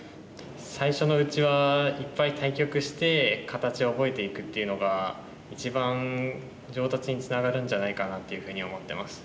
最初のうちはいっぱい対局して形を覚えていくっていうのが一番上達につながるんじゃないかなっていうふうに思ってます。